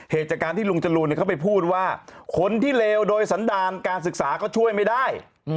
เหตุจากการที่ลุงจรูนเข้าไปพูดว่าคนที่เลวโดยสันดาลการศึกษาก็ช่วยไม่ได้